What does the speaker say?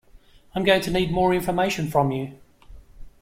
I am going to need more information from you